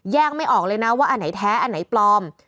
ไม่ออกเลยนะว่าอันไหนแท้อันไหนปลอม